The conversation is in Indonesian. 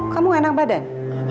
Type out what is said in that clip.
kamu enak badan